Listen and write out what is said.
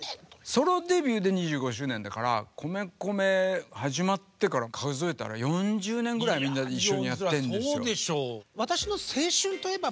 ソロデビューで２５周年だから米米始まってから数えたら４０年ぐらいみんなで一緒にやってるんですよ。